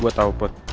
gue tau put